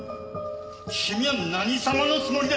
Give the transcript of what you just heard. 君は何様のつもりだ！？